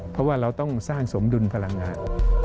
เพราะว่าเราต้องสร้างสมดุลพลังงาน